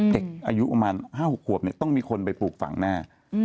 เด็กอายุประมาณ๕๖ขวบต้องมีคนไปปลูกฝังแน่